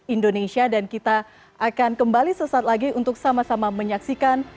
indonesia dan kita akan kembali sesaat lagi untuk sama sama menyaksikan